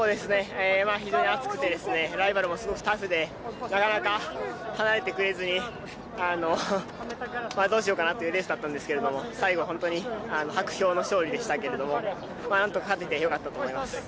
非常に暑くて、ライバルもタフでなかなか離れてくれずにどうしようかなというレースだったんですけど最後、本当に薄氷の勝利でしたけどなんとか勝ててよかったと思います。